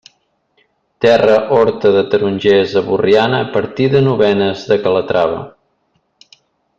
Terra horta de tarongers a Borriana, partida Novenes de Calatrava.